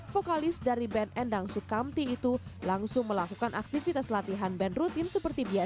vokalis dari band endang sukamti itu langsung melakukan aktivitas latihan band rutin seperti biasa